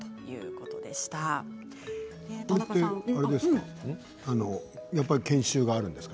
これってあれですか？